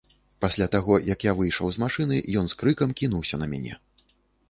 Пасля таго, як я выйшаў з машыны, ён з крыкам кінуўся на мяне.